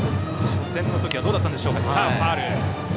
初戦の時はどうだったでしょうか。